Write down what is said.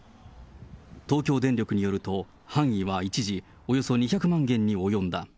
東京電力によると、範囲は一時およそ２００万軒に及んだ。